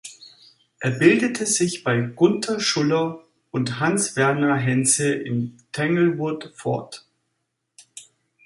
Er bildete sich bei Gunther Schuller und Hans Werner Henze in Tanglewood fort.